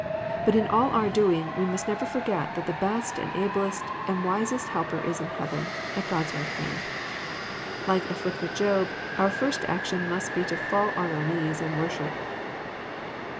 But in all our doing, we must never forget that the best and ablest and wisest Helper is in heaven, at God's right hand. Like afilicted Job our first action must be to fall on our knees and worship.